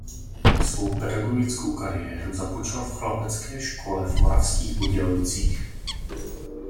Svou pedagogickou kariéru započal v chlapecké škole v Moravských Budějovicích.